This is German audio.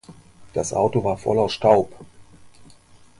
Das Auto war voller Staub.